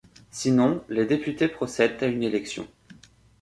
Sinon, les députés procèdent à une élection.